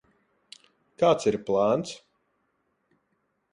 Kāds ir plāns?